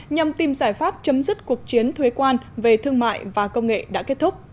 nhằm tìm giải pháp chấm dứt cuộc chiến thuế quan về thương mại và công nghệ đã kết thúc